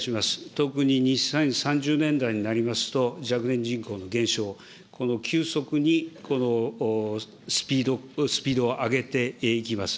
特に２０３０年代になりますと、若年人口の減少、この急速にスピードを上げていきます。